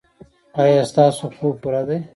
ایا ستاسو خوب پوره دی؟